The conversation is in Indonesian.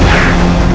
kau akan dihukum